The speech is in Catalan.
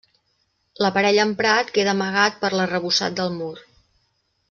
L'aparell emprat queda amagat per l'arrebossat del mur.